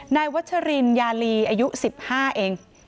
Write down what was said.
นายวัชฌิณยาลีอายุ๑๕เอง